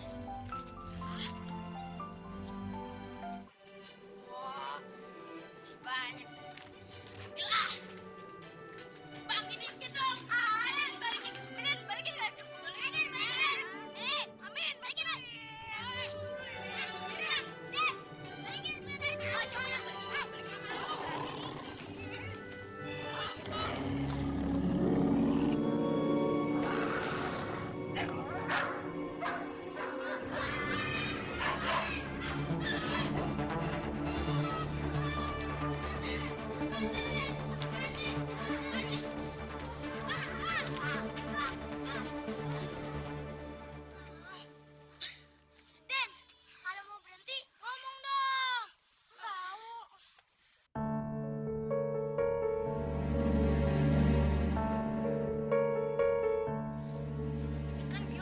siapa berarti menentang aku